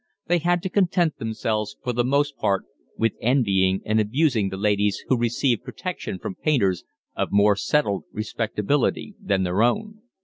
They had to content themselves for the most part with envying and abusing the ladies who received protection from painters of more settled respectability than their own.